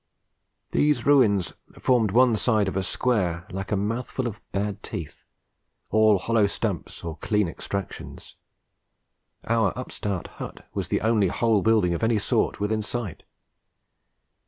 These ruins formed one side of a square like a mouthful of bad teeth, all hollow stumps or clean extractions; our upstart hut was the only whole building of any sort within sight.